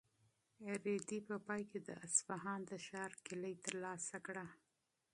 رېدي په پای کې د اصفهان د ښار کیلي ترلاسه کړه.